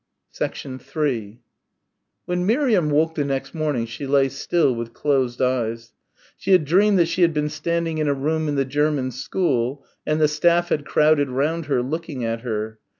3 When Miriam woke the next morning she lay still with closed eyes. She had dreamed that she had been standing in a room in the German school and the staff had crowded round her, looking at her.